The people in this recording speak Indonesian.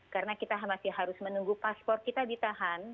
karena kita masih harus menunggu paspor kita ditahan